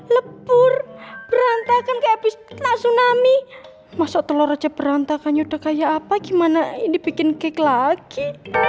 lebur berantakan kebisna tsunami masuk telur aja berantakan yuda kayak apa gimana ini bikin cake lagi